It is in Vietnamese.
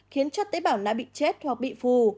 khiến cho tế bảo não bị chết hoặc bị phù